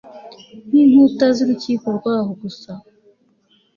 Nkinkuta zurukiko rwaho gusa